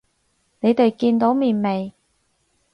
你哋見到面未？